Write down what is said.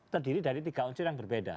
terdiri dari tiga unsur yang berbeda